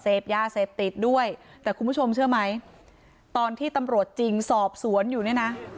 เสพยาเสพติดด้วยแต่คุณผู้ชมเชื่อไหมตอนที่ตำรวจจริงสอบสวนอยู่เนี่ยนะ